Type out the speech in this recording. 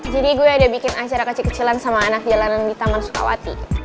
jadi gue ada bikin acara kecil kecilan sama anak jalanan di taman sukawati